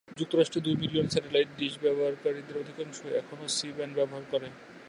যুক্তরাষ্ট্রে দুই million satellite dish ব্যবহারকারীদের অধিকাংশই এখনও সি ব্যান্ড ব্যবহার করে।